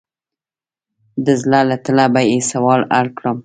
د زړه له تله به یې سوال اړ کړم.